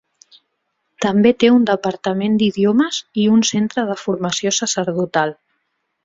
També té un Departament d'Idiomes i un Centre de Formació Sacerdotal.